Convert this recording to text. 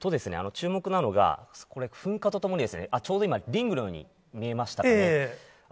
注目なのが、これ、噴火とともに、ちょうど今、リングのように見えましたね。